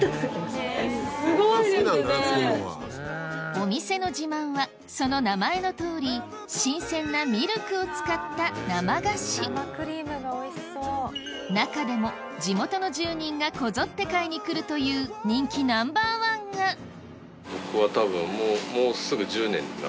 お店の自慢はその名前のとおり新鮮なミルクを使った中でも地元の住人がこぞって買いに来るという人気ナンバーワンが１０年！